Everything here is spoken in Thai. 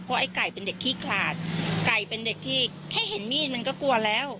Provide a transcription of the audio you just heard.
เพราะไอ้ไก่เป็นเด็กขี้ขลาดไก่เป็นเด็กที่แค่เห็นมีดมันก็กลัวแล้ว